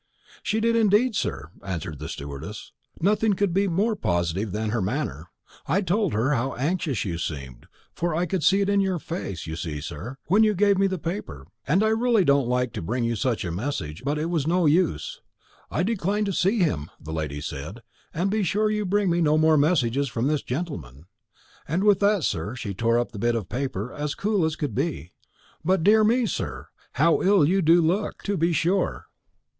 "She did indeed, sir," answered the stewardess. "Nothing could be more positive than her manner. I told her how anxious you seemed for I could see it in your face, you see, sir, when you gave me the paper and I really didn't like to bring you such a message; but it was no use. 'I decline to see him,' the lady said, 'and be sure you bring me no more messages from this gentleman;' and with that, sir, she tore up the bit of paper, as cool as could be. But, dear me, sir, how ill you do look, to be sure!"